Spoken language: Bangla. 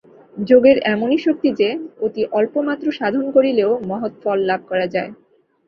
যোগের এমনই শক্তি যে, অতি অল্পমাত্র সাধন করিলেও মহৎ ফল লাভ করা যায়।